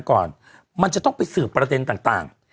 ก่อนมันจะต้องไปสืบประเด็นต่าง